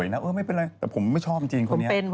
แต่ผมไม่ชอบจริง